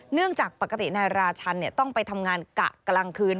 เนื่องจากปกตินายราชันต้องไปทำงานกะกลางคืน